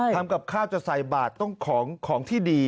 ทำกับข้าวจะใส่บาทต้องของที่ดี